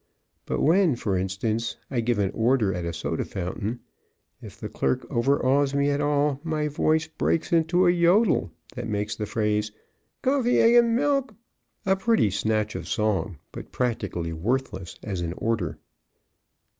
But when, for instance, I give an order at a soda fountain, if the clerk overawes me at all, my voice breaks into a yodel that makes the phrase "Coffee, egg and milk" a pretty snatch of song, but practically worthless as an order.